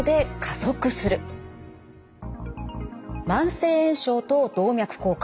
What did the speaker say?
慢性炎症と動脈硬化